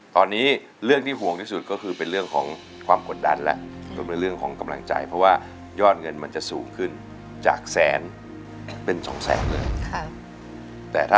ตอนนี้เรื่องที่ห่วงที่สุด